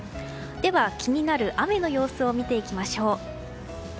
では、気になる雨の様子を見ていきましょう。